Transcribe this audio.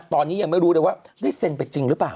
ตอนนี้ยังไม่รู้เลยว่าได้เซ็นไปจริงหรือเปล่า